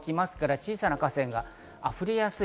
小さな河川が溢れやすい。